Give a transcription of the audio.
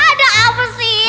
ada apa sih